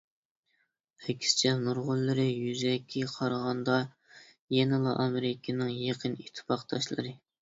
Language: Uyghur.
ئەكسىچە، نۇرغۇنلىرى يۈزەكى قارىغاندا يەنىلا ئامېرىكىنىڭ يېقىن ئىتتىپاقداشلىرى.